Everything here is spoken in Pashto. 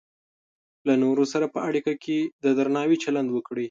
له نورو سره په اړیکه کې د درناوي چلند وکړئ.